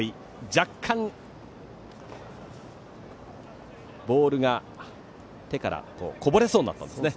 若干ボールが、手からこぼれそうになったんですね。